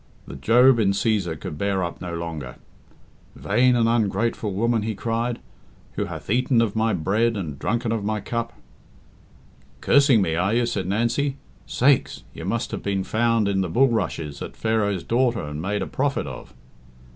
The Job in Cæsar could bear up no longer. "Vain and ungrateful woman," he cried, "who hath eaten of my bread and drunken of my cup " "Cursing me, are you?" said Nancy. "Sakes! you must have been found in the bulrushes at Pharaoh's daughter and made a prophet of."